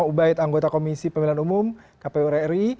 ubaid anggota komisi pemilihan umum kpu ri